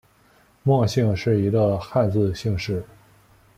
莫姓是一个汉字姓氏。